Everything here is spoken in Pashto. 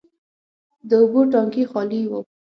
د اوبو ټانکي خالي و.